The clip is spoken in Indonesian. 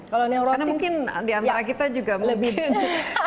karena mungkin diantara kita juga mungkin